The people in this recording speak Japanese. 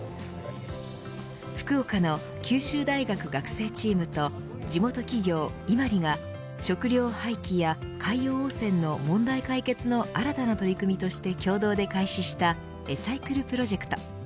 福岡の九州大学学生チームと地元企業ＩＭＡＲＩが食料廃棄や海洋汚染の問題解決の新たな取り組みとして共同で開発したエサイクルプロジェクト。